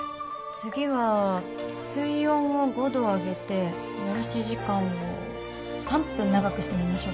次は水温を５度上げて蒸らし時間を３分長くしてみましょうか。